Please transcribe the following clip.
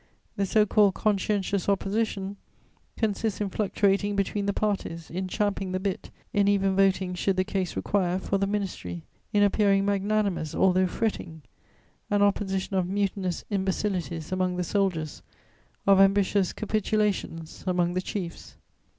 The so called "conscientious Opposition" consists in fluctuating between the parties, in champing the bit, in even voting, should the case require, for the Ministry, in appearing magnanimous although fretting: an Opposition of mutinous imbecilities among the soldiers, of ambitious capitulations among the chiefs.